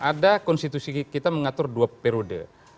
ada konstitusi kita mengatur dua periode